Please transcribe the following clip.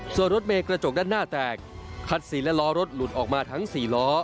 ส่วนรถเมย์กระจกด้านหน้าแตกคัดซีนและล้อรถหลุดออกมาทั้ง๔ล้อ